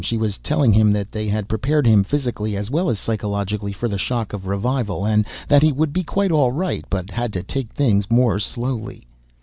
She was telling him that they had prepared him physically, as well as psychologically, for the shock of revival, and that he would be quite all right but had to take things more slowly.